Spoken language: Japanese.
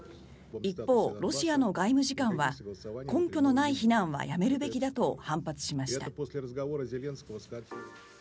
一方、ロシアの外務次官は根拠のない非難はやめるべきだと